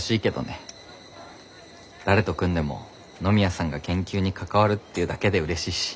誰と組んでも野宮さんが研究に関わるっていうだけでうれしいし。